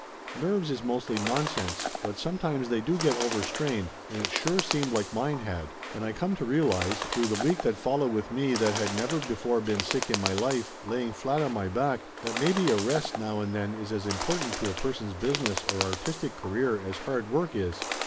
Nerves is mostly nonsense, but sometimes they do get overstrained, and it sure seemed like mine had, and I come to realize, through the week that followed with me that had never before been sick in my life, laying flat on my back, that maybe a rest now and then is as important to a person's business or artistic career as hard work is.